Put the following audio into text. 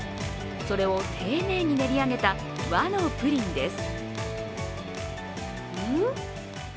それを丁寧に練り上げた和のプリンです。